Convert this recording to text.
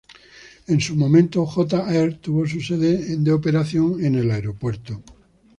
En su momento J-Air tuvo su sede de operación en el aeropuerto.